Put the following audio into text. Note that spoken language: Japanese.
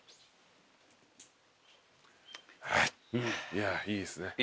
いやいいですね。